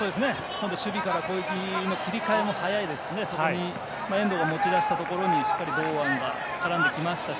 守備から攻撃の切り替えも早いですし遠藤が持ち出したところにしっかり堂安が絡んできましたし